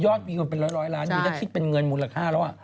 ยอดวิวเป็นร้อยล้านมีแล้วคิดเป็นเงินมูลค่าแล้วอ่ะ